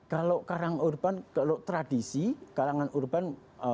kalau karang urban kalau tradisi kalangan urban